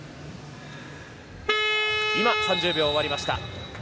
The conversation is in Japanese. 今、３０秒終わりました。